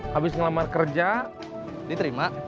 habis ngelamar kerja diterima